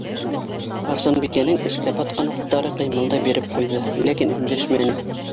- Барсынбикәнең эскә батҡан урттары ҡыймылдай биреп ҡуйҙы, ләкин өндәшмәне.